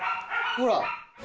ほら。